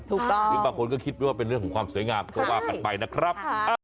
หรือบางคนก็คิดว่าเป็นเรื่องของความสวยงามก็ว่ากันไปนะครับ